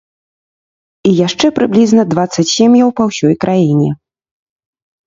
І яшчэ прыблізна дваццаць сем'яў па ўсёй краіне.